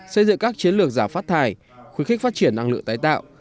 xây dựng các chiến lược giảm phát thải khuyến khích phát triển năng lượng tái tạo